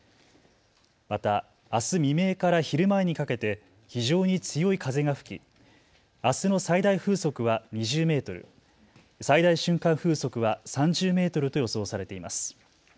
また、あす未明から昼前にかけて非常に強い風が吹きあすの最大風速は２０メートル、最大瞬間風速は３０メートルと予想されています。